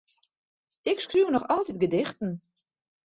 Ik skriuw noch altyd gedichten.